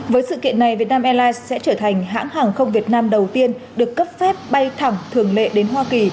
với sự kiện này việt nam airlines sẽ trở thành hãng hàng không việt nam đầu tiên được cấp phép bay thẳng thường lệ đến hoa kỳ